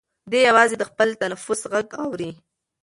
دی یوازې د خپل تنفس غږ اوري.